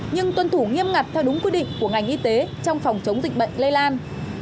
nhưng tuân thủ nghiêm ngặt theo đúng quy định của ngành y tế trong phòng chống dịch bệnh lây lan